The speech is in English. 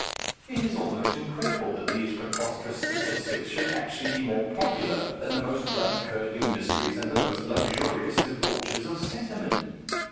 It is almost incredible that these preposterous statistics should actually be more popular than the most blood curdling mysteries and the most luxurious debauches of sentiment.